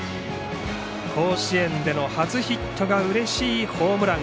甲子園での初ヒットがうれしいホームラン。